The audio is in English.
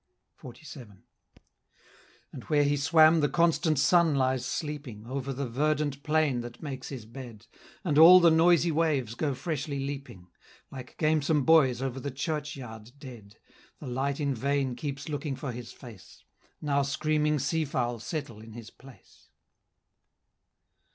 XLVII. And where he swam, the constant sun lies sleeping, Over the verdant plain that makes his bed; And all the noisy waves go freshly leaping. Like gamesome boys over the churchyard dead; The light in vain keeps looking for his face: Now screaming sea fowl settle in his place.